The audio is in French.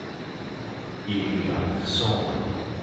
il n'y a personne.